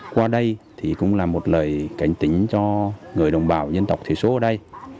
qua đây thì cũng là một lời cảnh tính cho người đồng bào nhân tộc thủy số ở đây